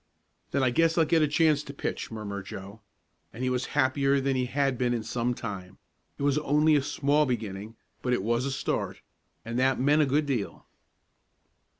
"Then I guess I'll get a chance to pitch," murmured Joe, and he was happier than he had been in some time. It was only a small beginning, but it was a start, and that meant a good deal.